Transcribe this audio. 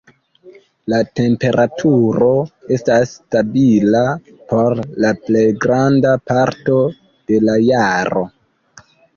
La temperaturo estas stabila por la plej granda parto de la jaro.